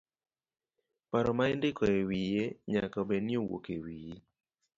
Paro ma indiko ewiye nyaka obed ni owuok ewiyi.